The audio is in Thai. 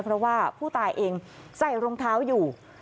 เพราะว่าผู้ตายเองใส่รองเท้าอยู่